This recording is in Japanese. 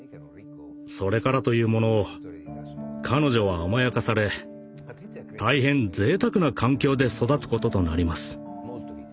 それからというもの彼女は甘やかされ大変ぜいたくな環境で育つこととなります。